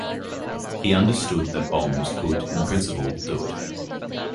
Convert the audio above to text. He understood that bombs could in principle do it.